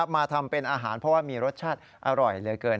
มาทำเป็นอาหารเพราะว่ามีรสชาติอร่อยเหลือเกิน